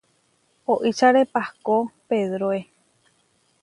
Oičare pahkó, pedroe.